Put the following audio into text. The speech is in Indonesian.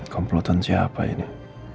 komplotan siapa ini